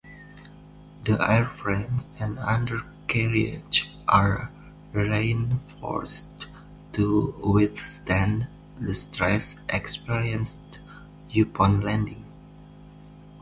The airframe and undercarriage are reinforced to withstand the stress experienced upon landing.